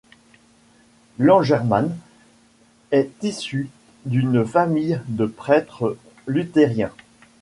Langermann est issu d'une famille de prêtres luthériens.